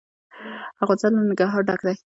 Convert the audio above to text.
افغانستان له ننګرهار ډک دی.